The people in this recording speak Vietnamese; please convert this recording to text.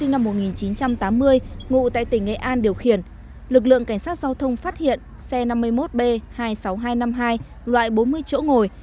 năm một nghìn chín trăm tám mươi ngụ tại tỉnh nghệ an điều khiển lực lượng cảnh sát giao thông phát hiện xe năm mươi một b hai mươi sáu nghìn hai trăm năm mươi hai loại bốn mươi chỗ ngồi